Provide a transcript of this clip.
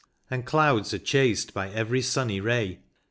And clouds are chased by every sunny ray.